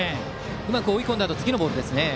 うまく追い込んだあとの次のボールですね。